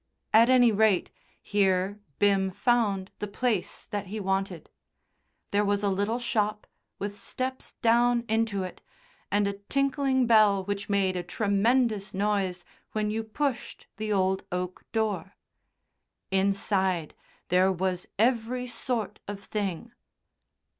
At any rate, here Bim found the place that he wanted. There was a little shop with steps down into it and a tinkling bell which made a tremendous noise when you pushed the old oak door. Inside there was every sort of thing.